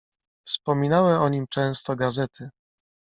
"Wspominały o nim często gazety."